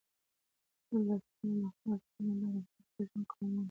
تولستوی د خپلو اثارو له لارې خلکو ته د ژوند کولو هنر وښود.